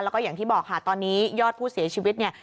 แล้วก็อย่างที่บอกค่ะตอนนี้ยอดผู้เสียชีวิตเนี่ย